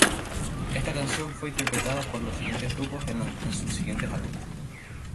Esta canción fue interpretada por los siguientes grupos en sus siguientes álbumes.